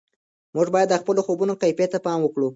موږ باید د خپلو خوړو کیفیت ته پام وکړو.